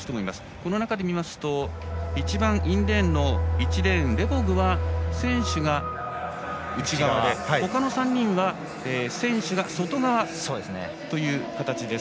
この中で見ると一番インレーン１レーン、レボグは選手が内側でほかの３人は選手が外側という形です。